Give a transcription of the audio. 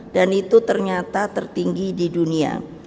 dan itu ternyata tertinggi di dunia